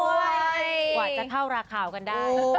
กว่าจะเท่าราคากันได้